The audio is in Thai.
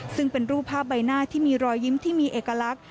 ซึ่งเป็นรูปภาพใบหน้าที่มีรอยยิ้มที่มีเอกลักษณ